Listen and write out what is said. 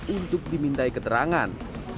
untuk diminta keterangan